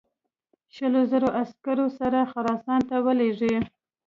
شلو زرو عسکرو سره خراسان ته ولېږي.